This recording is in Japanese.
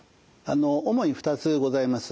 主に２つございます。